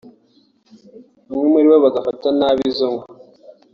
bamwe muri bo bagafata nabi izo nka